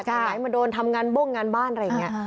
ไหนมาโดนทำงานบ้งงานบ้านอะไรอย่างนี้